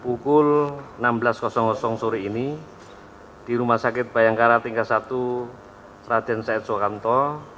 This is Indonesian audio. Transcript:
pukul enam belas sore ini di rumah sakit bayangkara tingkat satu srajen sait soekanto